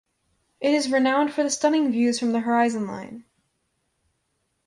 It is renowned for the stunning views from the horizon line.